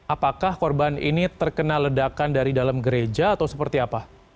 apakah korban ini terkena ledakan dari dalam gereja atau seperti apa